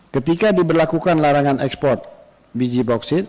ketika diberlakukan larangan ekspor biji bauksit